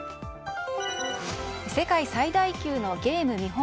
世界最大級のゲーム見本